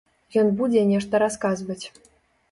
Ён будзе нешта расказваць.